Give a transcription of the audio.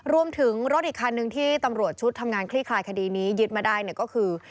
รวมถึงรถอีกคันหนึ่งที่ตำรวจชุดทำงานคลี่คลายคดีนี้ยึดมาได้เนี่ยก็คือ